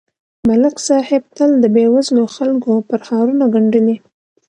ملک صاحب تل د بېوزلو خلکو پرهارونه گنډلي